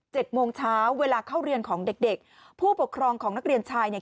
โมงเช้าเวลาเข้าเรียนของเด็กเด็กผู้ปกครองของนักเรียนชายเนี่ย